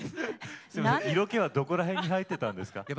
すいません色気はどこら辺に入ってたんですか？